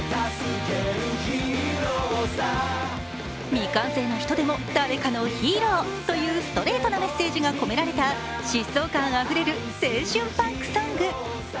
未完成の人でも誰かのヒーローというストレートなメッセージが込められた疾走感あふれる青春パンクソング。